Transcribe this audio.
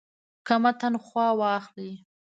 کمه تنخواه واخلي.